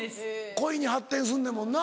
恋に発展すんねんもんな。